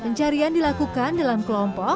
pencarian dilakukan dalam kelompok